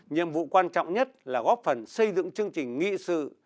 nhiệm vụ quan trọng nhất là góp phần xây dựng chương trình nghị sự